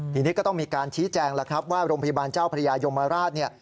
ทีนี้ก็ต้องมีการชี้แจงว่าโรงพยาบาลเจ้าพระยายมราช